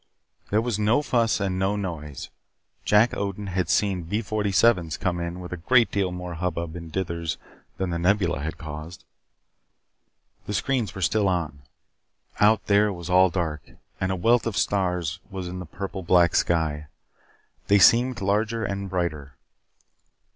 There was no fuss and no noise. Jack Odin had seen B 47's come in with a great deal more hubbub and dithers than the Nebula had caused. The screens were still on. Out there all was dark, and a wealth of stars was in the purple black sky. They seemed larger and brighter.